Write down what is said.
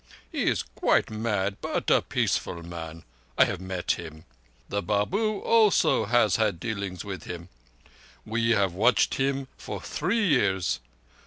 He is quite mad, but a peaceful man. I have met him. The Babu also has had dealings with him. We have watched him for three years.